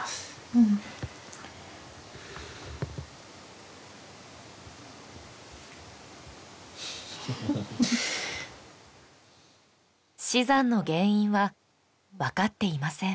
うん死産の原因は分かっていません